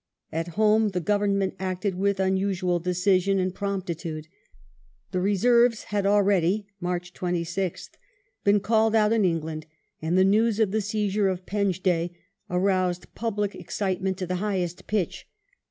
At home, the Government acted with unusual decision and promptitude. The Reserves had already (March 26th) been called out in England, and the news of the seizure of Penjdeh aroused public excitement to the highest pitch.